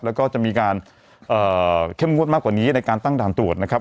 แล้วก็จะมีการเข้มงวดมากกว่านี้ในการตั้งด่านตรวจนะครับ